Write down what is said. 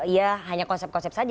ya hanya konsep konsep saja